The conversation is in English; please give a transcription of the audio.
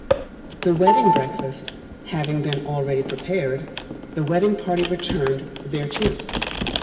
The Wedding Breakfast having been already prepared, the wedding party return thereto.